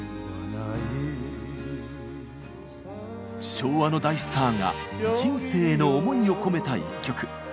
昭和の大スターが人生への思いを込めた一曲。